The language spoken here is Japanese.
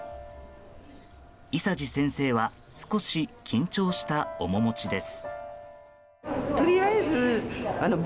伊佐治先生は少し緊張した面持ちです。